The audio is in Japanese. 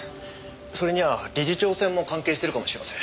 それには理事長選も関係してるかもしれません。